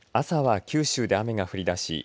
朝は九州で雨が降り出し